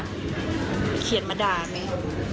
เขียนมาด่าเมย์